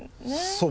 そう。